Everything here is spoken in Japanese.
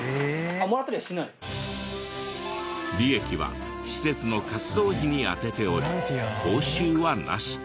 利益は施設の活動費に充てており報酬はなし。